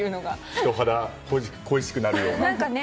人肌恋しくなるような。